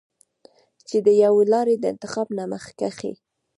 چې د يوې لارې د انتخاب نه مخکښې